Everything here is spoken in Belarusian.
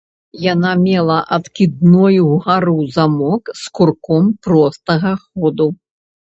Яна мела адкідной угару замок з курком простага ходу.